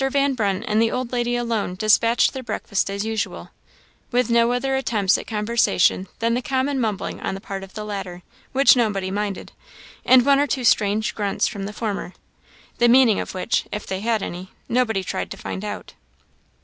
Van Brunt and the old lady alone despatched their breakfast as usual; with no other attempts at conversation than the common mumbling on the part of the latter, which nobody minded, and one or two strange grunts from the former, the meaning of which, if they had any, nobody tried to find out.